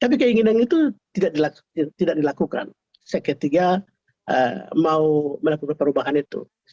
tapi keinginan itu tidak dilakukan seketika mau melakukan perubahan itu